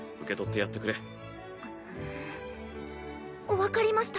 分かりました。